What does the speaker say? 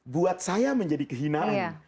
buat saya menjadi kehinaan